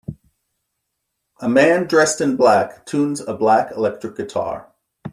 A man dressed in black tunes a black electric guitar.